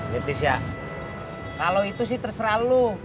leticia kalau itu sih terserah lo